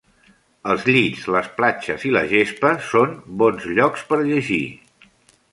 Els llits, les platges i la gespa són bons llocs per llegir.